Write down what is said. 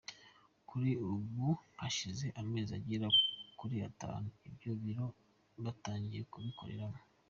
Kuri ubu hashize amezi agera kuri atatu, ibyo biro batangiye kubikoreramo.